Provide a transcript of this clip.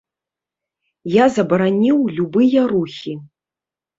Я забараніў любыя рухі.